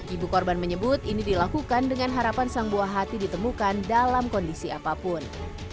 ibu korban menyebut ini dilakukan dengan harapan sang buah hati ditemukan dalam kondisi apapun